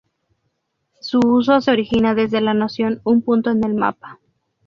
Su uso se origina desde la noción "un punto en el mapa".